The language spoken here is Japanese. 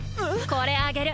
これあげる。